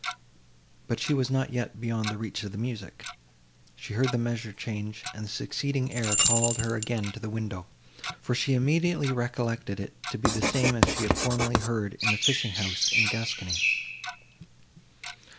But she was not yet beyond the reach of the music; she heard the measure change, and the succeeding air called her again to the window, for she immediately recollected it to be the same she had formerly heard in the fishing house in Gascony.